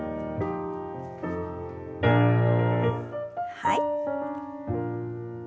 はい。